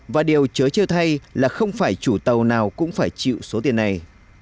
và điều chớ chưa thay là không phải chủ tàu nào cũng phải chịu số tiền này